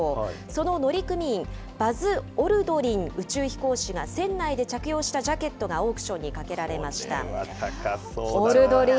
その乗組員、バズ・オルドリン宇宙飛行士が船内で着用したジャケットがオークションにかけられまこれは高そうだな。